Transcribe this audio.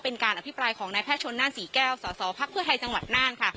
เป็นการอภิปรายของนายแพทย์ชนนั่นศรีแก้วสศภัภยไทยจังหวัดนั่น